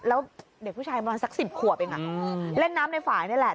แล้วเด็กผู้ชายประมาณสัก๑๐ขวบเองเล่นน้ำในฝ่ายนี่แหละ